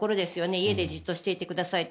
家でじっとしていてくださいって。